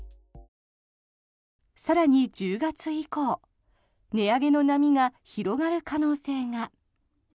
更に１０月以降値上げの波が広がる可能性が。